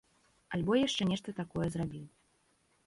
Альбо яшчэ нешта такое зрабіў.